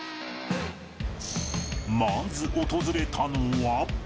まず訪れたのは。